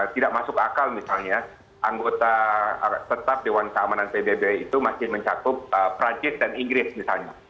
tidak masuk akal misalnya anggota tetap dewan keamanan pbb itu masih mencakup perancis dan inggris misalnya